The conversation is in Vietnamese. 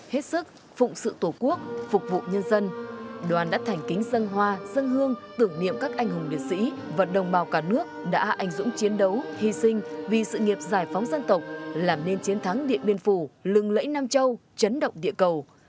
hết sức phụng sự tổ quốc phục vụ nhân dân đoàn đã thành kính dân hoa dân hương tưởng niệm các anh hùng liệt sĩ và đồng bào cả nước đã ảnh dũng chiến đấu hy sinh vì sự nghiệp giải phóng dân tộc làm nên chiến thắng điện biên phủ lừng lẫy nam châu chấn động địa cầu